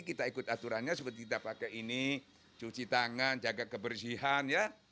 kita ikut aturannya seperti kita pakai ini cuci tangan jaga kebersihan ya